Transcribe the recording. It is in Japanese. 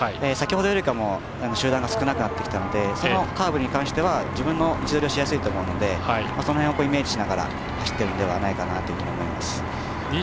先ほどより、集団が少なくなってきたのでそのカーブに関しては自分の位置取りをしやすいと思うのでその辺をイメージしながら走っているんではないかなと思います。